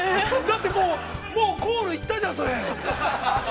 だってもう、もうゴール行ったじゃん、それ。